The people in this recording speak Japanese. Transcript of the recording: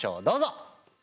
どうぞ！